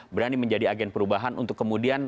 berani menjadi agen perubahan untuk kemudian